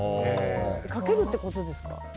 かけるってことですか？